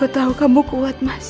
tahu kamu kuat mas